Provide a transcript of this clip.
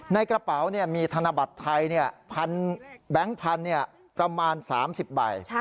ในกระเป๋ามีธนบัตรไทยแบงค์พันธุ์ประมาณ๓๐ใบ